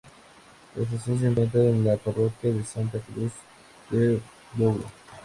La estación se encuentra en la parroquia de Santa Cruz do Douro.